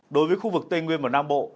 đối với khu vực tây nguyên và nam bộ